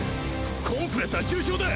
コンプレスは重傷だ！